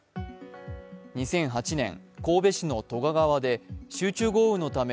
２００８年、神戸市の都賀川で集中豪雨のため